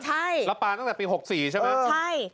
ใช่แล้วปลาตั้งแต่ปี๖๔ใช่ไหมใช่